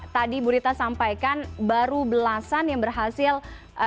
tadi bu rita sampaikan baru belasan yang berhasil